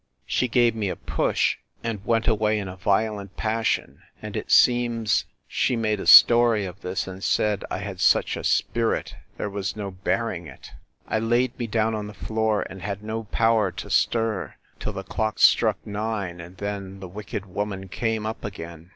She gave me a push, and went away in a violent passion: And it seems, she made a story of this; and said, I had such a spirit, there was no bearing it. I laid me down on the floor, and had no power to stir, till the clock struck nine: and then the wicked woman came up again.